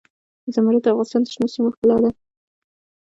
زمرد د افغانستان د شنو سیمو ښکلا ده.